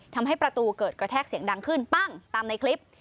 ทำให้ประตูเกิดกระแทกเสียงดังขึ้นปั้งตามในคลิป